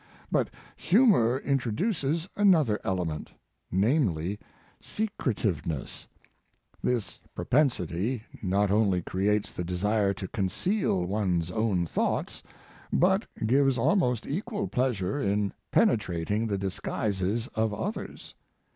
But humor introduces another element namely secretiveness* This propensity Mark Twain not only creates the desire to conceal . one s own thoughts, but gives almost equal pleasure in penetrating the dis guises of others.